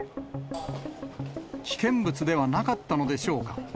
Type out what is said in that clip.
危険物ではなかったのでしょうか。